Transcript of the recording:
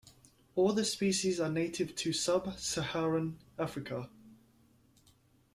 All the species are native to sub-Saharan Africa.